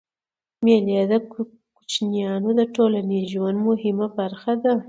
مېلې د کوچنيانو د ټولنیز ژوند مهمه برخه ده.